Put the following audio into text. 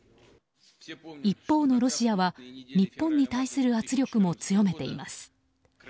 一方のロシアは日本に対する圧力も強めています。